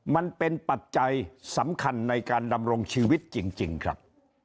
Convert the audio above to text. ปัจจัยสำคัญในการดำรงชีวิตจริงครับ